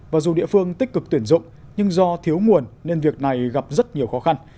và dù địa phương tích cực tuyển dụng nhưng do thiếu nguồn nên việc này gặp rất nhiều khó khăn